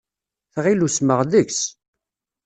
Tɣill usmeɣ deg-s.